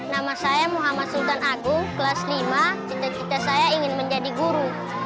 nama saya muhammad sultan agung kelas lima cita cita saya ingin menjadi guru